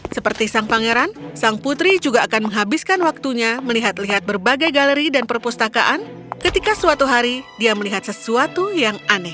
seperti sang pangeran sang putri juga akan menghabiskan waktunya melihat lihat berbagai galeri dan perpustakaan ketika suatu hari dia melihat sesuatu yang aneh